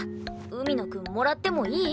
「海野くんもらってもいい？」